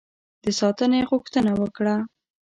د ساتنې غوښتنه وکړه.